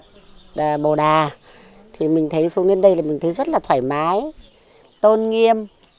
chùa phật bồ đà thì mình thấy xuống đến đây là mình thấy rất là thoải mái tôn nghiêm